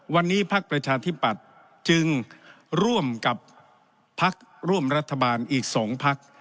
วันนี้พักประชาธิปัตย์จึงร่วมกับพักร่วมรัฐบาลอีก๒พัก